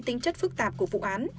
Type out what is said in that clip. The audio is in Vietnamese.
tính chất phức tạp của vụ án